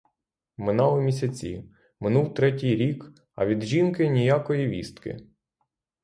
Минали місяці, минув третій рік, а від жінки ніякої вістки.